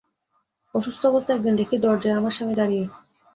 অসুস্থ অবস্থায় একদিন দেখি দরজায় আমার স্বামী দাঁড়িয়ে।